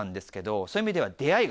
そういう意味では。